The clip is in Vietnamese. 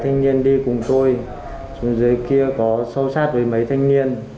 thanh niên đi cùng tôi xuống dưới kia có sâu sát với mấy thanh niên